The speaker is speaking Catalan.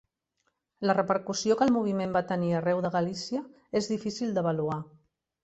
La repercussió que el moviment va tenir arreu de Galícia és difícil d'avaluar.